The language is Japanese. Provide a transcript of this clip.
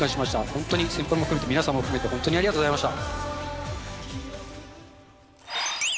本当に先輩も含めて、皆さんも含めて、本当にありがとうございました。